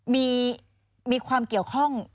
มีความเกี่ยวข้อง